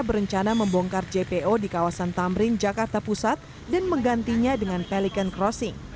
berencana membongkar jpo di kawasan tamrin jakarta pusat dan menggantinya dengan pelikan crossing